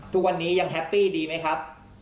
ทุกวันนี้ยังแฮปปี้ดีไหมครับ